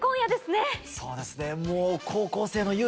そうですねもう。